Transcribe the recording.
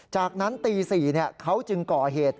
จากนั้นตี๔เขาจึงก่อเหตุ